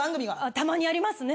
たまにありますね。